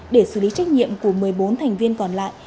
để xử lý trách nhiệm của một mươi bốn thành viên còn lại